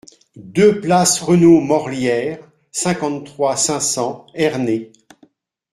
deux place Renault Morlière, cinquante-trois, cinq cents, Ernée